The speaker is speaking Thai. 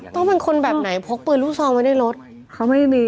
ต้องเป็นคนแบบไหนพกปืนลูกซองไว้ในรถเขาไม่ได้มี